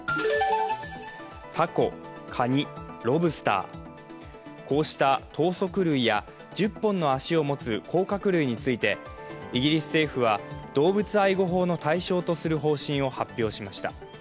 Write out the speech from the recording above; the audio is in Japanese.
たこ、カニ、ロブスターこうした頭足類や１０本の足を持つ甲殻類についてイギリス政府は動物愛護法の対象とする方針を発表しました。